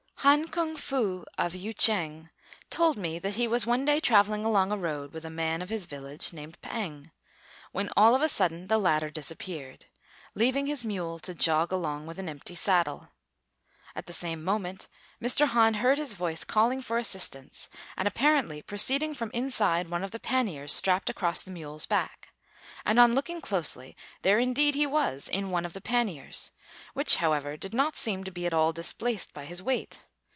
Han Kung fu, of Yü ch'êng, told me that he was one day travelling along a road with a man of his village, named P'êng, when all of a sudden the latter disappeared, leaving his mule to jog along with an empty saddle. At the same moment, Mr. Han heard his voice calling for assistance, and apparently proceeding from inside one of the panniers strapped across the mule's back; and on looking closely, there indeed he was in one of the panniers, which, however, did not seem to be at all displaced by his weight.